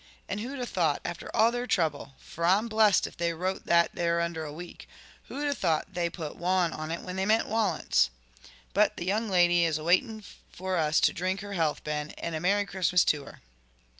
And who'd a thought after all their trouble for I'm blessed if they wrote that there under a week who'd a' thought they'd a put 'Waun' on it when they meant 'Walence.' But the young lady is awaiting for us to drink her health, Ben, and a merry Christmas to her."